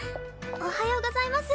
おはようございます。